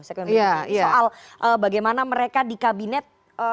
soal bagaimana mereka di kabinet